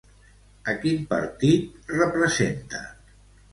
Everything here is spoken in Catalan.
A quin partit representa?